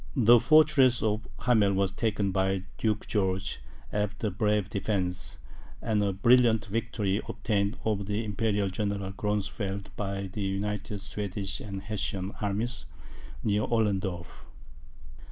The fortress of Hamel was taken by Duke George, after a brave defence, and a brilliant victory obtained over the imperial General Gronsfeld, by the united Swedish and Hessian armies, near Oldendorf.